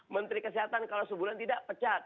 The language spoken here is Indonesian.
menteri kesehatan kalau sebulan tidak pecat